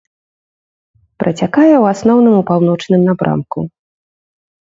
Працякае ў асноўным у паўночным напрамку.